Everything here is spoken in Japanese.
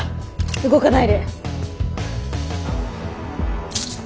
動かないで。